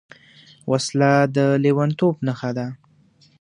وسله د لېونتوب نښه ده